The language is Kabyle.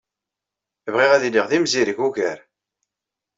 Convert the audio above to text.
Bɣiɣ ad iliɣ d imzireg ugar.